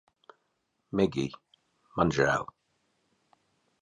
Megij, man žēl